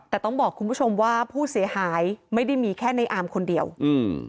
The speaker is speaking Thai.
แต่ต้องบอกคุณผู้ชมว่าผู้เสียหายไม่ได้มีแค่ในอามคนเดียวอืม